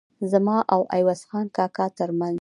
زما او عوض خان کاکا ترمنځ.